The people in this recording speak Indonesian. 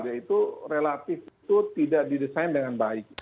yaitu relatif itu tidak didesain dengan baik